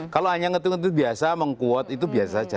kalau hanya ngetik ngetik biasa mengquote itu biasa saja